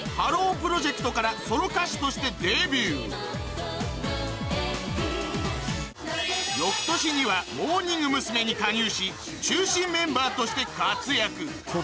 プロジェクトから翌年にはモーニング娘。に加入し中心メンバーとして活躍